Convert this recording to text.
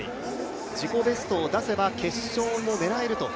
自己ベストを出せば決勝も狙えると。